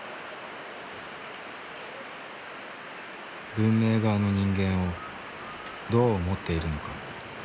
「文明側の人間をどう思っているのか」。